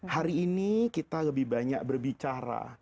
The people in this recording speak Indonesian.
hari ini kita lebih banyak berbicara